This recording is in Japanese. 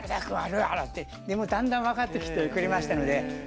でもだんだん分かってきてくれましたので。